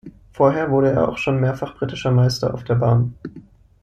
Vorher wurde er auch schon mehrfacher britischer Meister auf der Bahn.